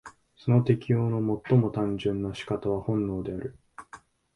その適応の最も単純な仕方は本能である。